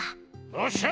おっしゃ！